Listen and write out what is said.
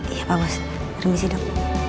iya pak bos remisi dok